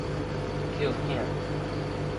抾囝